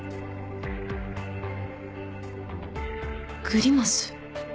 グリマス。